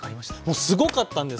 もうすごかったんですよ！